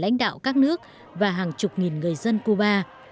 lãnh đạo các nước và hàng chục nghìn người dân cuba